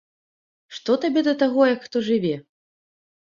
Што табе да таго, як хто жыве!